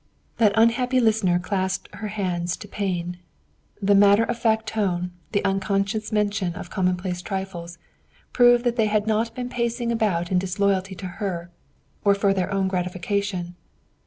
That unhappy listener clasped her hands to pain. The matter of fact tone, the unconscious mention of commonplace trifles, proved that they had not been pacing about in disloyalty to her, or for their own gratification.